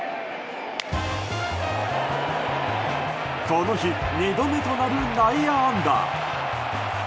この日２度目となる内野安打。